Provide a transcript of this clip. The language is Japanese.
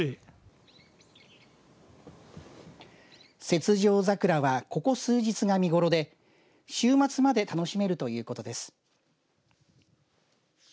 雪上桜はここ数日が見頃で週末まで楽しめるということです。